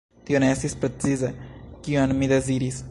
Tio ne estis precize, kion mi deziris.